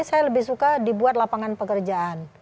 saya lebih suka dibuat lapangan pekerjaan